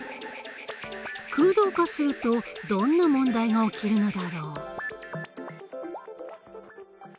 空洞化するとどんな問題が起きるのだろう？